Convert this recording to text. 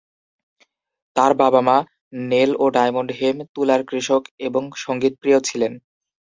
তার বাবা-মা, নেল ও ডায়মন্ড হেম, তুলার কৃষক এবং সঙ্গীতপ্রিয় ছিলেন।